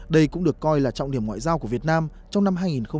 đây cũng được coi là trọng điểm ngoại giao của việt nam trong năm hai nghìn một mươi bảy